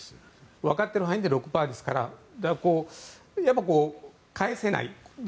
わかってる範囲で６％ですからやっぱり返せない。